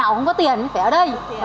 nó không có tiền phải ở đây